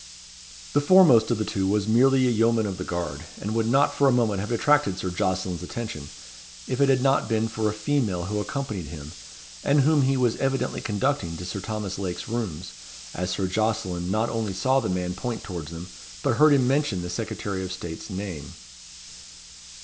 The foremost of the two was merely a yeoman of the guard, and would not for a moment have attracted Sir Jocelyn's attention, if it had not been for a female who accompanied him, and whom he was evidently conducting to Sir Thomas Lake's rooms, as Sir Jocelyn not only saw the man point towards them, but heard him mention the Secretary of State's name.